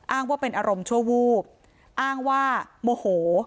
อ้างว่าเป็นอารมณ์ชั่ววูบอ้างว่าโมโห